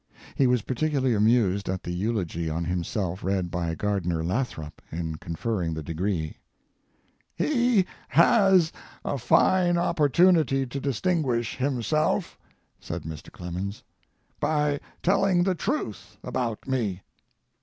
He was particularly amused at the eulogy on himself read by Gardiner Lathrop in conferring the degree.] He has a fine opportunity to distinguish himself [said Mr. Clemens] by telling the truth about me.